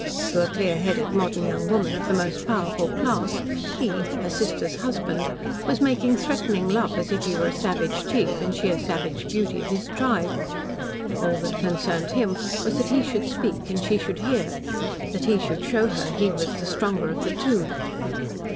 To a clear headed modern young woman of the most powerful class, he her sister's husband was making threatening love as if he were a savage chief and she a savage beauty of his tribe. All that concerned him was that he should speak and she should hear that he should show her he was the stronger of the two.